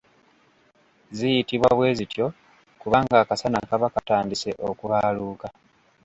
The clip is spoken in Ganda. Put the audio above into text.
Ziyitibwa bwe zityo, kubanga akasana kaba katandise okubaaluuka.